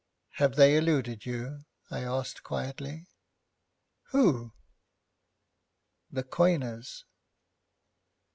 'Have they eluded you?' I asked quietly. 'Who?' 'The coiners.'